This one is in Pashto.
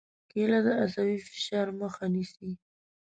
کېله د عصبي فشار مخه نیسي.